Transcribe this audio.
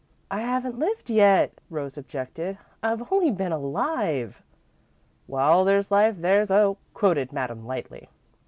"I haven't lived yet," Rose objected. "I've only been alive." "'While there's life there's hope,'" quoted Madame lightly.